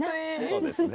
そうですね。